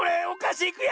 おかしい！